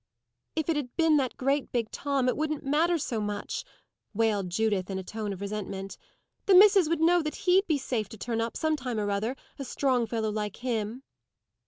"If it had been that great big Tom, it wouldn't matter so much," wailed Judith, in a tone of resentment. "The missis would know that he'd be safe to turn up, some time or other; a strong fellow like him!"